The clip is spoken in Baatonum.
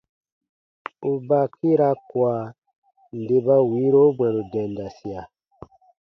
U baa kiira kua nde ba wiiro bwɛ̃ru dendasia.